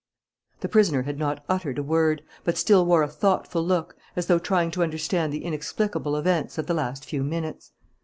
The prisoner had not uttered a word, but still wore a thoughtful look, as though trying to understand the inexplicable events of the last few minutes.